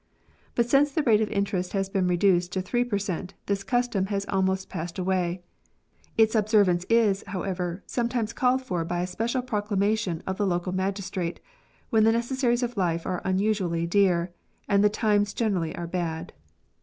But since the rate of interest has been reduced to three per cent, this custom has almost passed away ; its observance is, however, sometimes called for by a special proclamation of the local magistrate when the necessaries of life are unusually dear, and the times generally are bad.